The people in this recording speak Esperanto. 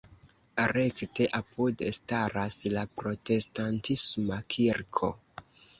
Rekte apude staras la protestantisma kirko.